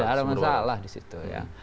ada masalah di situ ya